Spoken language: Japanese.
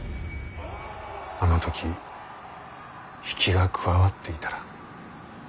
あの時比企が加わっていたら。